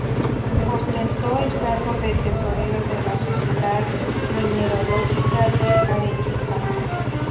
Ostentó el cargo de tesorero de la Sociedad Mineralógica de Arequipa.